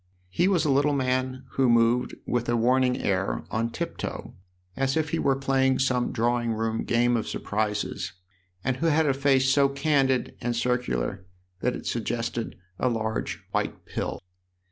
He was a little man who moved, with a warning air, on tiptoe, as if he were playing some drawing room game of surprises, and who had a face so candid and circular that it sug gested a large white pill.